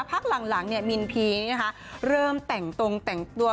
พักหลังเนี่ยมินพีเริ่มแต่งตรงแต่งตัว